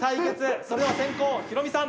それでは先攻ヒロミさん